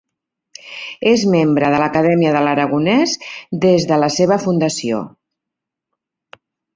És membre de l'Acadèmia de l'Aragonès des de la seva fundació.